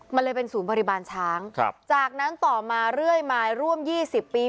มันเลยเป็นศูนย์บริบาลช้างจากนั้นต่อมาเรื่อยมาร่วม๒๐ปี